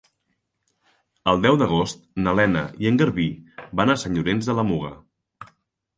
El deu d'agost na Lena i en Garbí van a Sant Llorenç de la Muga.